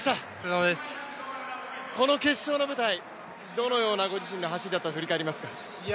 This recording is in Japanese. この決勝の舞台、どのようなご自身の走りだったと振り返りますか。